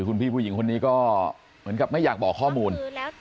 คุณพี่ผู้หญิงคนนี้ก็เหมือนกับไม่อยากบอกข้อมูล